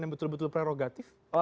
yang betul betul prerogatif